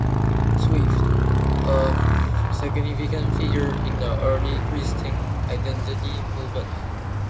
Swift, a significant figure in the early Christian Identity movement.